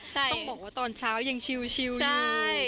ต้องบอกว่าตอนเช้ายังชิวใช่